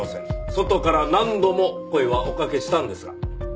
外から何度も声はおかけしたんですが。